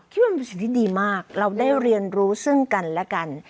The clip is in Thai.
ที่มันเป็นสิิดดีมากเราได้เรียนรู้ซึ่งกันและกัน